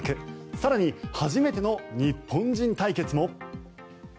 更に初めての日本人対決も。